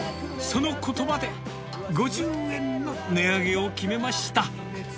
そのことばで、５０円の値上げを決めました。